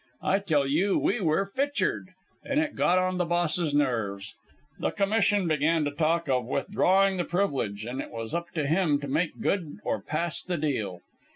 I tell you we were fitchered; and it got on the Boss's nerves. The Commission began to talk of withdrawing the privilege, an' it was up to him to make good or pass the deal.